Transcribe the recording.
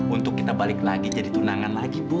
untuk kita balik lagi jadi tunangan lagi bu